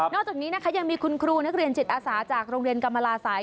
จากนี้นะคะยังมีคุณครูนักเรียนจิตอาสาจากโรงเรียนกรรมลาศัย